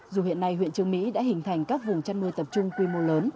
dù hiện nay huyện trương mỹ đã hình thành các vùng chăn nuôi tập trung quy mô lớn